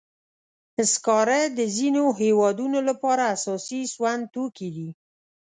سکاره د ځینو هېوادونو لپاره اساسي سون توکي دي.